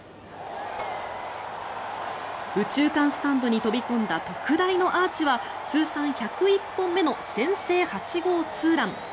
右中間スタンドに飛び込んだ特大のアーチは通算１０１本目の先制８号ツーラン。